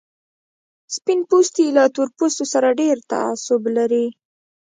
سپين پوستي له تور پوستو سره ډېر تعصب لري.